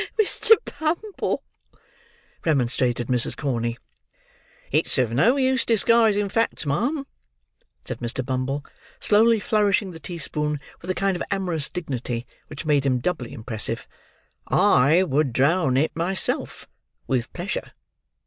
"Oh, Mr. Bumble!" remonstrated Mrs. Corney. "It's of no use disguising facts, ma'am," said Mr. Bumble, slowly flourishing the teaspoon with a kind of amorous dignity which made him doubly impressive; "I would drown it myself, with pleasure."